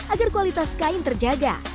agar kualitas kain terjaga